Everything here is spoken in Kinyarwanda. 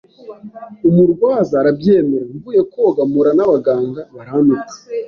umurwaza arabyemera mvuye koga mpura n’abaganga barantuka